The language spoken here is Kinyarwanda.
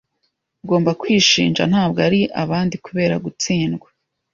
Ugomba kwishinja, ntabwo ari abandi, kubera gutsindwa.